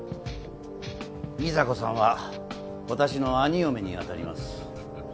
美沙子さんは私の兄嫁にあたります。